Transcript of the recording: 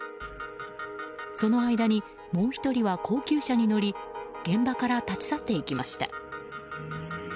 その間にもう１人は高級車に乗り現場から立ち去っていきました。